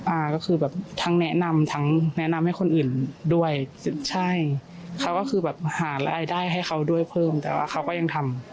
อ่าก็คือแบบทั้งแนะนำทั้งแนะนำให้คนอื่นด้วยใช่เขาก็คือแบบหารายได้ให้เขาด้วยเพิ่มแต่ว่าเขาก็ยังทำ